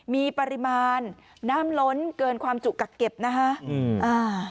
มีปริมาณน้ำล้นเกินความจุกักเก็บนะคะอืมอ่า